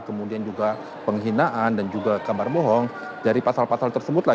kemudian juga penghinaan dan juga kabar bohong dari pasal pasal tersebut